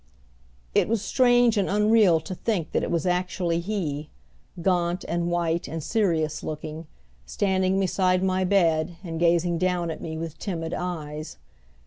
It was strange and unreal to think that it was actually he, gaunt and white and serious looking, standing beside my bed and gazing down at me with timid eyes.